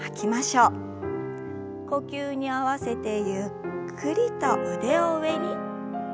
呼吸に合わせてゆっくりと腕を上に。